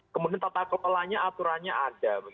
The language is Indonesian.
kemudian tata kelolanya aturannya ada